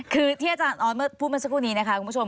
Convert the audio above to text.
คือที่อาจารย์ออสเมื่อพูดมาสักครู่นี้นะคะคุณผู้ชม